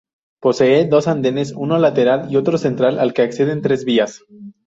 Posee dos andenes, uno lateral y otro central al que acceden tres vías.